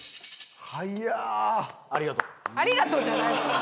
「ありがとう」じゃないんですよ。